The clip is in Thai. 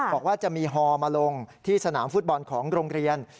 บอกว่าจะมีฮอมาลงที่สนามฟุตบอลของโรงเรียน